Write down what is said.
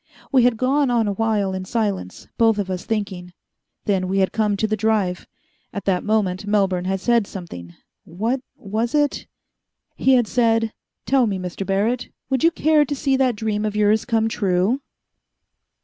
We had gone on a while in silence, both of us thinking. Then we had come to the Drive. At that moment Melbourne had said something what was it? He had said, "Tell me, Mr. Barrett, would you care to see that dream of yours come true?"